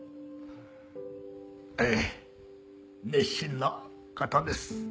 ええ熱心な方です。